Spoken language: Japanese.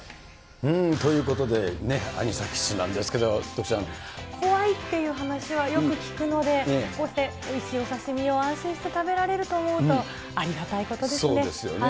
ということで、アニサキスな怖いっていう話はよく聞くので、こうしておいしいお刺身を安心して食べられると思うと、そうですよね。